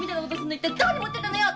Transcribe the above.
一体どこに持ってったのよ！